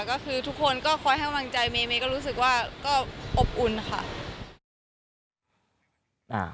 ก็คือทุกคนก็คอยให้กำลังใจเมย์ก็รู้สึกว่าก็อบอุ่นค่ะ